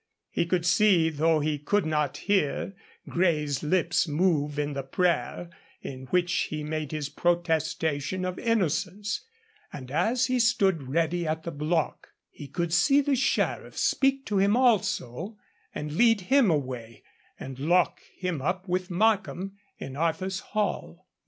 He could see, though he could not hear, Grey's lips move in the prayer in which he made his protestation of innocence, and as he stood ready at the block, he could see the Sheriff speak to him also, and lead him away, and lock him up with Markham in Arthur's Hall.